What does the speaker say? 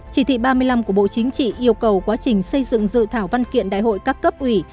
chỉ thị ba mươi năm của bộ chính trị yêu cầu quá trình xây dựng dự thảo văn kiện đại hội các cấp ủy